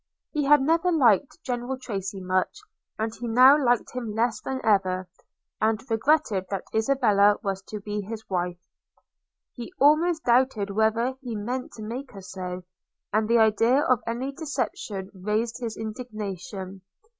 He had never liked General Tracy much; and he now liked him less than ever, and regretted that Isabella was to be his wife. He almost doubted whether he ever meant to make her so; and the idea of any deception raised his indignation.